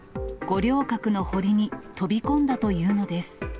五稜郭の堀に飛び込んだというのです。